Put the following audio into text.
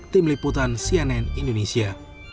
tim liputan cnn indonesia